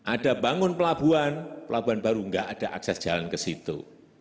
ada bangun pelabuhan pelabuhan baru nggak ada akses jalan ke situ